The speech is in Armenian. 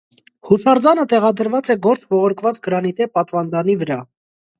Հուշարձանը տեղադրված է գորշ ողորկված գրանիտե պատվանդանի վրա։